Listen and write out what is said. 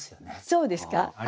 そうですか？